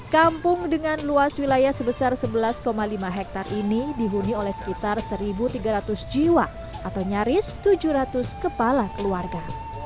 kampung dengan luas wilayah sebesar sebelas lima hektare ini dihuni oleh sekitar satu tiga ratus jiwa atau nyaris tujuh ratus kepala keluarga